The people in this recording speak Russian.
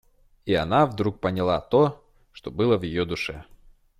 И она вдруг поняла то, что было в ее душе.